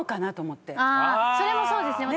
それもそうです。